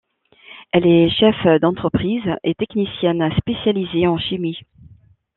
Elle est cheffe d'entreprise et technicienne spécialisée en chimie.